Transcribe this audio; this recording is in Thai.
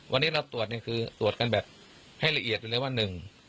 วันนี้เราตรวจเนี่ยคือตรวจกันแบบให้ละเอียดอยู่เลยว่าหนึ่ง